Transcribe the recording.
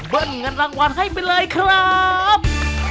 เงินรางวัลให้ไปเลยครับ